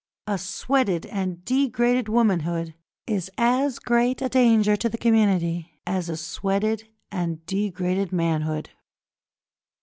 A sweated and degraded womanhood is as great a danger to the community as a sweated and degraded manhood.